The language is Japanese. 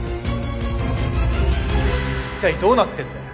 一体どうなってんだよ！